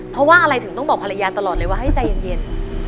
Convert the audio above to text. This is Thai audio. เพราะว่าอะไรถึงต้องบอกภรรยาตลอดเลยว่าให้ใจเย็น